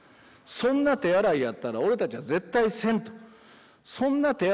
そんな手洗いやったら俺たちは絶対せん。